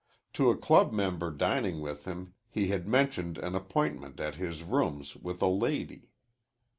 To a club member dining with him he had mentioned an appointment at his rooms with a lady.